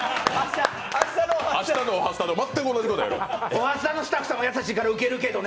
「おはスタ」のスタッフさんは優しいからウケるけどね。